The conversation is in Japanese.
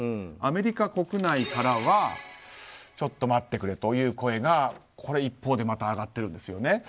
アメリカ国内からはちょっと待ってくれという声が一方でまた上がってるんですね。